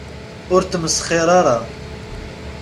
Ur tmesxir ara.